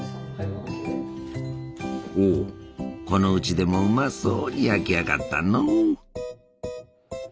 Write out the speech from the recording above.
おおこのうちでもうまそうに焼き上がったのう！